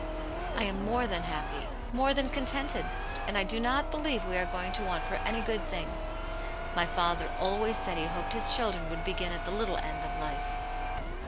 I am more than happy, more than contented, and I do not believe we are going to want for any good thing. My father always said he hoped his children would begin at the little end of life."